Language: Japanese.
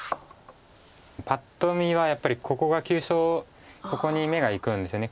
パッと見はやっぱりここが急所ここに目がいくんですよね。